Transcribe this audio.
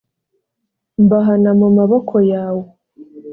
mbahana mu maboko yawe